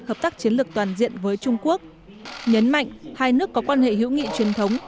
hợp tác chiến lược toàn diện với trung quốc nhấn mạnh hai nước có quan hệ hữu nghị truyền thống